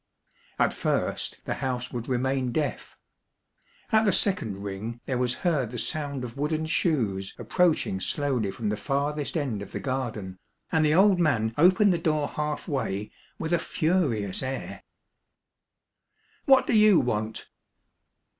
At first the house would remain deaf. At the second ring there was heard the sound of wooden shoes approaching slowly from the farthest end of the garden, and the old man opened the door half way with a furious air. " What do you want?